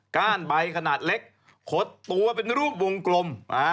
ก้านใบขนาดเล็กขดตัวเป็นรูปวงกลม